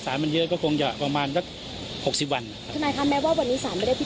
อ๋อนั่นเป็นเรื่องขายของกรมธลากว่าด้วยรางวัลครับ